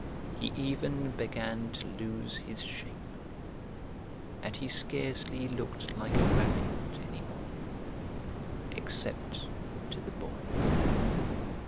He even began to lose his shape, and he scarcely looked like a rabbit any more, except to the Boy.